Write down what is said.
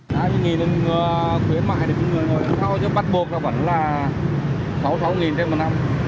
hai mươi đồng khuyến mại được những người bắt buộc là vẫn là sáu sáu đồng một năm